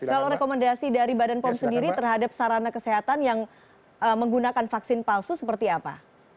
kalau rekomendasi dari badan pom sendiri terhadap sarana kesehatan yang menggunakan vaksin palsu seperti apa